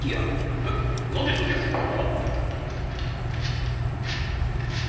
えっなんで時矢先輩から？